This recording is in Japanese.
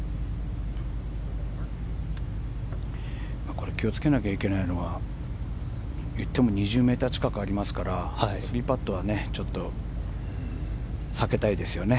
これ気をつけなきゃいけないのは言っても２０ｍ近くありますから３パットは避けたいですよね。